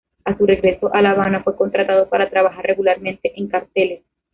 A su regreso a La Habana, fue contratado para trabajar regularmente en "Carteles".